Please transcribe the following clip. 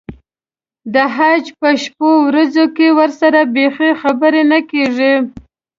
د حج په شپو ورځو کې ورسره بیخي خبرې نه کېږي.